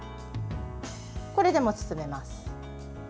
これで包めます。